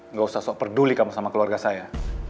nggak usah peduli kamu sama keluarga saya